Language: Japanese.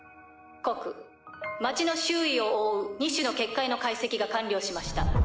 告町の周囲を覆う２種の結界の解析が完了しました。